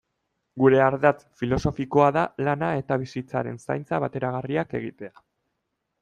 Gure ardatz filosofikoa da lana eta bizitzaren zaintza bateragarriak egitea.